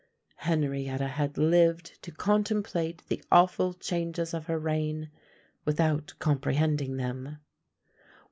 Henrietta had lived to contemplate the awful changes of her reign, without comprehending them.